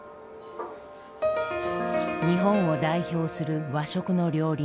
日本を代表する和食の料理